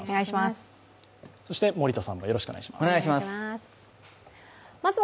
そして森田さんもよろしくお願いします。